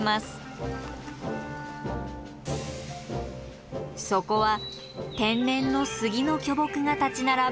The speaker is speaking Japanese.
そこは天然のスギの巨木が立ち並ぶ深い森。